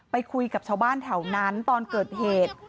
ไปคุยกับชาวบ้านแถวนั้นตอนเกิดเหตุ